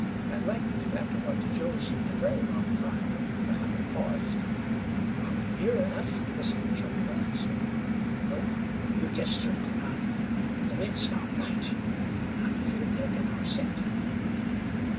At length, after what to Joe seemed a very long time, the hunter paused. "Are we near enough?" whispered Joe, breathlessly. "Nope. We're just circlin' on 'em. The wind's not right, an' I'm afeered they'll get our scent."